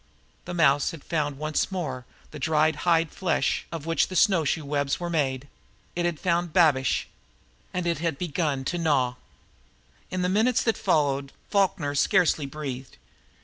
The mouse had found once more the dried hide flesh of which the snowshoe webs were made. It had found babiche. And it had begun TO GNAW! In the minutes that followed Falkner scarcely breathed.